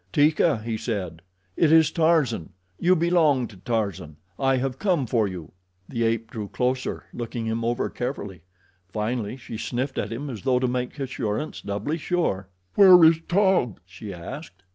"Teeka," he said, "it is Tarzan. You belong to Tarzan. I have come for you." The ape drew closer, looking him over carefully. Finally she sniffed at him, as though to make assurance doubly sure. "Where is Taug?" she asked.